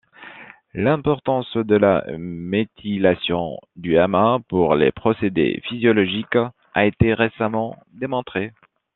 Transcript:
L'importance de la méthylation du mA pour les procédés physiologiques a été récemment démontrée.